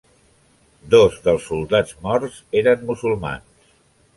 Dos dels soldats morts eren musulmans.